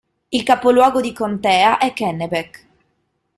Il capoluogo di contea è Kennebec.